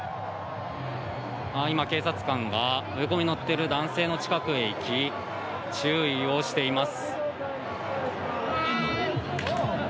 今、警察官が植え込みに乗っている男性の近くに行き注意をしています。